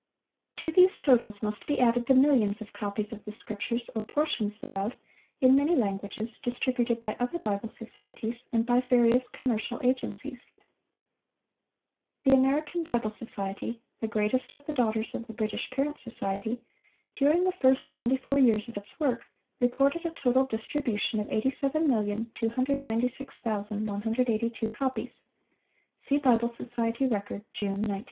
To these totals must be added the millions of copies of the Scriptures or portions thereof, in many languages, distributed by other Bible societies and by various commercial agencies. The American Bible Society,—the greatest of the daughters of the British parent society,—during the first ninety four years of its work, reported a total distribution of 87,296,182 copies. (See Bible Society Record, June, 1910.)